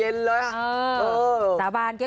เออสาบานเก๊กหวย